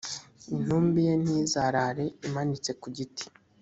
intumbi ye ntizarare imanitse ku giti;